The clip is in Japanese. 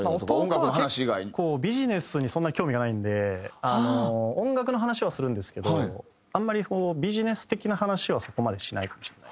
弟は結構ビジネスにそんなに興味がないんで音楽の話はするんですけどあんまりこうビジネス的な話はそこまでしないかもしれない。